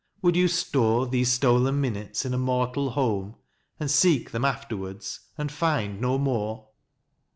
Would you store These stolen minutes in a mortal home And seek them afterwards, and find no more?